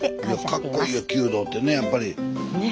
かっこいいよ弓道ってねやっぱり。